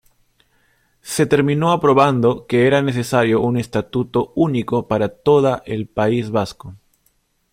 Se terminó aprobando que era necesario un Estatuto único para toda el País Vasco.